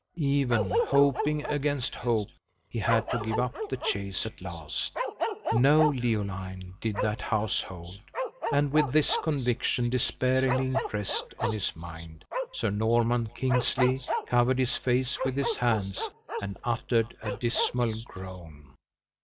Even "hoping against hope," he had to give up the chase at last no Leoline did that house hold; and with this conviction despairingly impressed on his mind, Sir Norman Kingsley covered his face with his hands, and uttered a dismal groan.